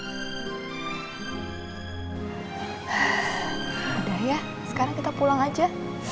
sudah ya sekarang kita pulang aja